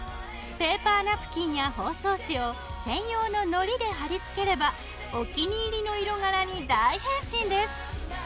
ペーパーナプキンや包装紙を専用ののりで貼り付ければお気に入りの色柄に大変身です。